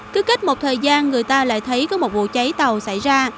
cứ kết một thời gian người ta lại thấy có một vụ cháy tàu xảy ra